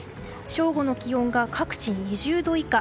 正午の気温が各地２０度以下。